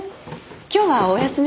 今日はお休みかな。